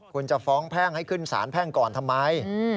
คุณจะฟ้องแพ่งให้ขึ้นสารแพ่งก่อนทำไม